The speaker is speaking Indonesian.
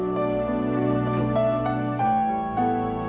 masih apa lagi